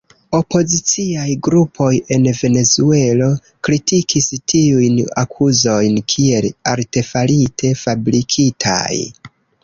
Opoziciaj grupoj en Venezuelo kritikis tiujn akuzojn kiel artefarite fabrikitaj.